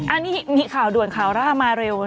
อันนี้มีข่าวราวรามาเร็ว